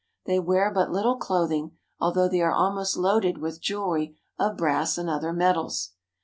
They wear but little clothing, although they are almost loaded with jewelry of brass and other metals.